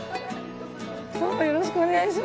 よろしくお願いします。